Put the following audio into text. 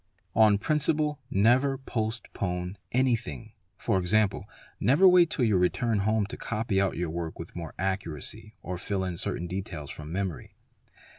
On principle, never postpone anything, e.g., never wait till your return home to copy out your work with more accuracy or fill in cata details from memory.